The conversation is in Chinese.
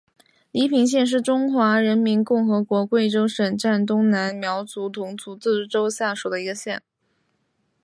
黎平县是中华人民共和国贵州省黔东南苗族侗族自治州下属的一个县。